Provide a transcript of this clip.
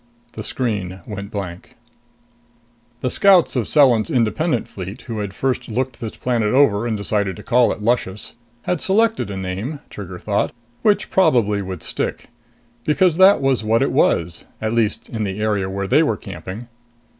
The screen went blank. The scouts of Selan's Independent Fleet, who had first looked this planet over and decided to call it Luscious, had selected a name, Trigger thought, which probably would stick. Because that was what it was, at least in the area where they were camping.